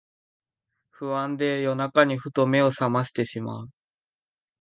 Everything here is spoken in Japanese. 不安で夜中にふと目をさましてしまう